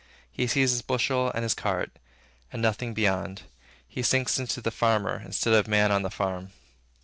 He sees his bushel and his cart, and nothing beyond, and sinks into the farmer, instead of Man on the farm.